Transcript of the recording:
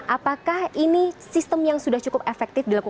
apakah ini sistem yang sudah cukup efektif dilakukan